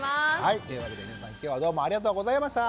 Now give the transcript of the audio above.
っていうわけで皆さん今日はどうもありがとうございました。